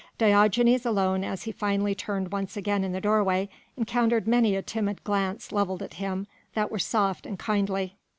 Diogenes alone as he finally turned once again in the doorway encountered many a timid glance levelled at him that were soft and kindly.